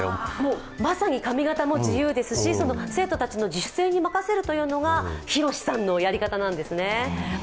まさに髪形も自由ですし、生徒たちの自主性に任せるのがヒロシさんのやり方なんですね。